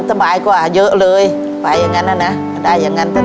ทับผลไม้เยอะเห็นยายบ่นบอกว่าเป็นยังไงครับ